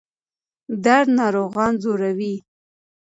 درد ناروغان ځوروي.